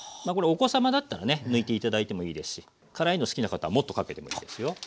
まあお子様だったらね抜いて頂いてもいいですし辛いの好きな方はもっとかけてもいいですよ。